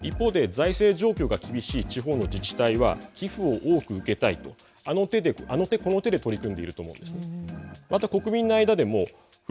一方で財政状況が厳しい地方の自治体は寄付を多く受けたいとあの手この手で取り組んでいると思うんです。